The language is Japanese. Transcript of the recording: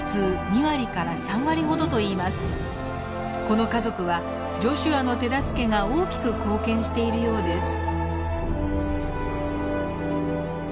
この家族はジョシュアの手助けが大きく貢献しているようです。